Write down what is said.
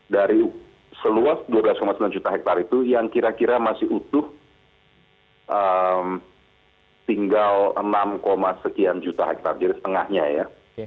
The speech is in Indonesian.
dari seluas dua belas sembilan juta hektare itu yang kira kira masih utuh tinggal enam sekian juta hektare jadi setengahnya ya